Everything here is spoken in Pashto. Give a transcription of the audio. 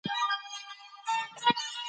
که څراغ بل وای نو ده به تیاره نه وای لیدلې.